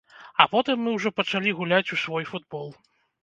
А потым мы ўжо пачалі гуляць у свой футбол.